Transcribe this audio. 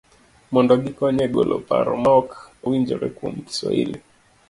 mondo gikony e golo paro maok owinjore kuom Kiswahili.